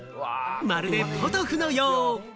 まるでポトフのよう。